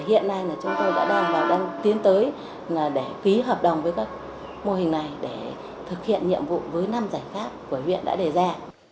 hiện nay chúng tôi đã tiến tới để ký hợp đồng với các mô hình này để thực hiện nhiệm vụ với năm giải pháp của huyện đã đề ra